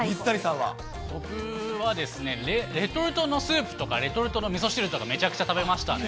僕は、レトルトのスープとかレトルトのみそ汁とか、めちゃくちゃ食べましたね。